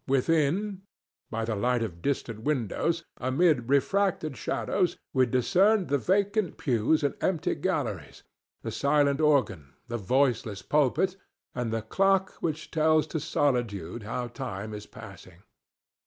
Within, by the light of distant windows, amid refracted shadows we discern the vacant pews and empty galleries, the silent organ, the voiceless pulpit and the clock which tells to solitude how time is passing.